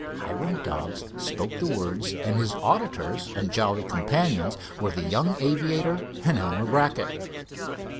Hiram Dobbs spoke the words, and his auditors and jolly companions were the young aviator and Elmer Brackett.